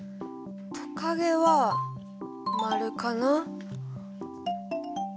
トカゲは○かな。